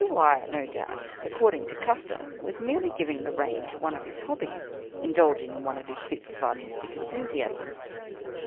Wyatt, no doubt, according to custom, was merely giving the rein to one of his hobbies — indulging in one of his fits of artistic enthusiasm.